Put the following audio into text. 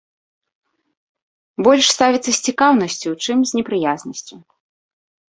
Больш ставяцца с цікаўнасцю, чым з непрыязнасцю.